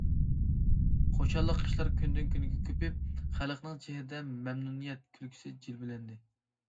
خۇشاللىق ئىشلار كۈندىن- كۈنگە كۆپىيىپ، خەلقنىڭ چېھرىدە مەمنۇنىيەت كۈلكىسى جىلۋىلەندى.